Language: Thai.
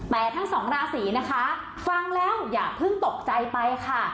แหมทั้งส่องราศีฟังแล้วอย่าตกใจไปค่ะ